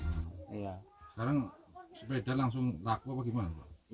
sekarang sepeda langsung laku apa gimana pak